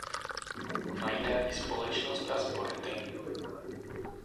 Mají rádi společnost a sporty.